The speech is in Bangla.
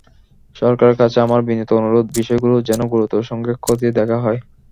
সরকারের কাছে আমার বিনীত অনুরোধ বিষয়গুলো যেন গুরুত্বের সঙ্গে খতিয়ে দেখা হয়।